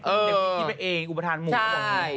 เด็กพิจารณ์มันเองอุปฏิหรือไม่